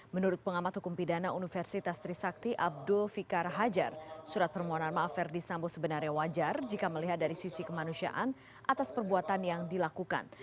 menurut pengamat hukum pidana universitas trisakti abdul fikar hajar surat permohonan maaf verdi sambo sebenarnya wajar jika melihat dari sisi kemanusiaan atas perbuatan yang dilakukan